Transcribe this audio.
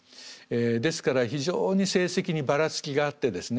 ですから非常に成績にばらつきがあってですね。